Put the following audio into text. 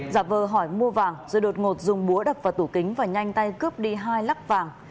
giả vờ hỏi mua vàng rồi đột ngột dùng búa đập vào tủ kính và nhanh tay cướp đi hai lắc vàng